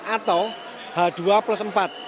atau h dua plus empat